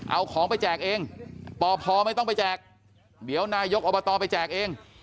เอาของไปแจกเองปพไม่ต้องไปแจกเดี๋ยวนายกอบตไปแจกเอง